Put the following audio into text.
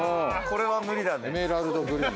これは無理だね。